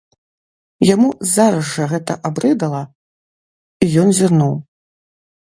Яму зараз жа гэта абрыдала, і ён зірнуў.